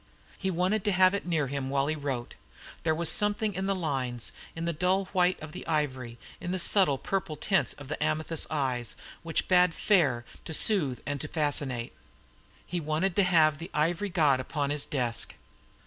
He wanted to have it near him while he wrote. There was something in the lines, in the dull white of the ivory, in the subtle purple tints of the amethyst eyes, which bade fair to soothe and to fascinate. He wished to have the ivory god upon his desk.